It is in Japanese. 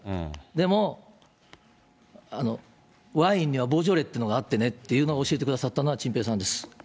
でも、ワインにはボジョレーっていうのがあってねっていうのを教えてくださったのは、ちんぺいさんです。